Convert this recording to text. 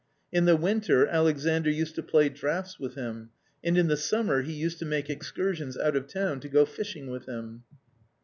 In the winter Alexandr used to play draughts with him, and in the summer he used to make excursions out of town to go fishing with him.